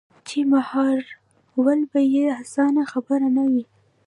چـې مـهار ول بـه يـې اسـانه خبـره نـه وي.